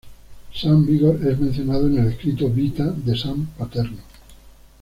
San Vigor es mencionado en el escrito "vita" de San Paterno.